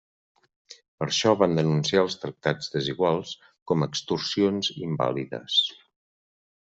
Per això van denunciar els tractats desiguals com extorsions invàlides.